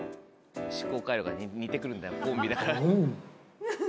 思考回路が似て来るんだコンビだから。